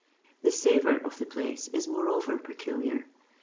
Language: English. The savour of the place is moreover peculiar.